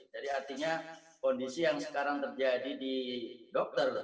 jadi artinya kondisi yang sekarang terjadi di dokter